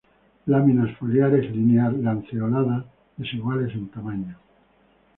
Láminas foliares linear-lanceoladas, desiguales en tamaño.